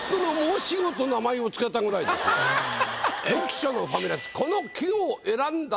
「溽暑のファミレス」